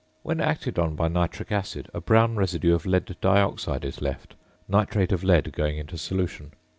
When acted on by nitric acid a brown residue of lead dioxide is left, nitrate of lead going into solution.